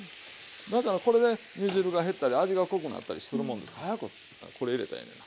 だからこれで煮汁が減ったり味が濃くなったりするもんですから早くこれ入れたらええねんな。